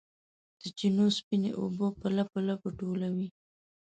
د چینو سپینې اوبه په لپو، لپو ټولوي